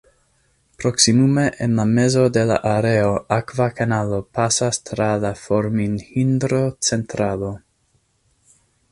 Proksimume en la mezo de la areo, akva kanalo pasas tra la Formin-hidro-centralo.